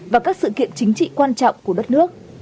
và các sự kiện chính trị quan trọng của đất nước